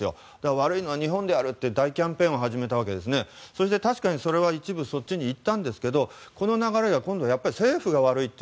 悪いのは日本だという大キャンペーンを始めて確かにそれは一部そっちに行ったんですがこの流れは政府が悪いと